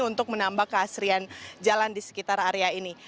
untuk menambah keasrian jalan di sekitar area ini